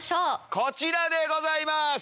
こちらでございます！